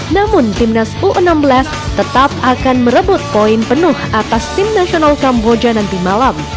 namun timnas u enam belas tetap akan merebut poin penuh atas tim nasional kamboja nanti malam